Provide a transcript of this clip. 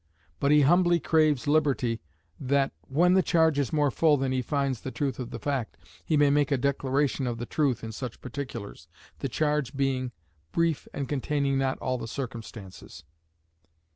But he humbly craves liberty that, when the charge is more full than he finds the truth of the fact, he may make a declaration of the truth in such particulars, the charge being brief and containing not all the circumstances."